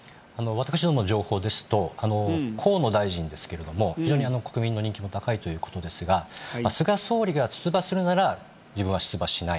私どもの情報ですと、河野大臣ですけれども、非常に国民の人気も高いということですが、菅総理が出馬するなら自分は出馬しない。